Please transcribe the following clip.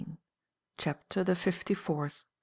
CHAPTER THE FIFTY FOURTH.